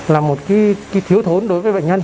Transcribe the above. là một cái thiếu thốn đối với bệnh nhân